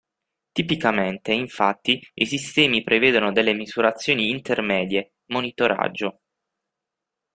Tipicamente, infatti, i sistemi prevedono delle misurazioni intermedie (monitoraggio).